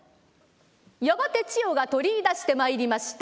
やがて千代が取りいだしてまいりました